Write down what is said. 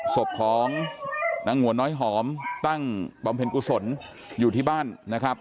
ศพของนางงวนน้อยหอมตั้งบำเพ็ญกุศลอยู่ที่บ้านนะครับ